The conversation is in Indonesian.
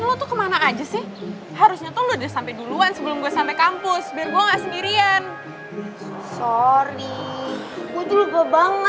oke nanti kita ajak kasurnya